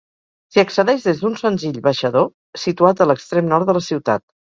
S'hi accedeix des d'un senzill baixador situat a l'extrem nord de la ciutat.